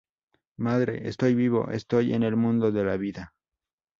Madre: estoy vivo, estoy en el mundo de la vida.